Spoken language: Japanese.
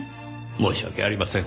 申し訳ありません